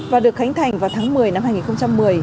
và được khánh thành vào tháng một mươi năm hai nghìn một mươi